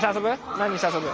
何して遊ぶ？